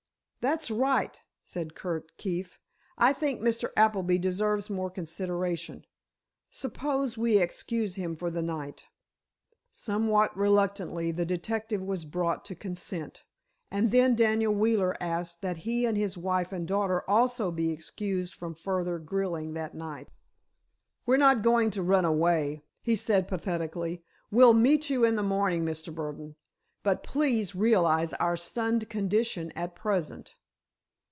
"That's right," said Curt Keefe. "I think Mr. Appleby deserves more consideration. Suppose we excuse him for the night." Somewhat reluctantly the detective was brought to consent, and then Daniel Wheeler asked that he and his wife and daughter also be excused from further grilling that night. "We're not going to run away," he said, pathetically. "We'll meet you in the morning, Mr. Burdon, but please realize our stunned condition at present."